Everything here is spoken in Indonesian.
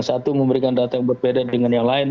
ada data yang berbeda dengan yang lain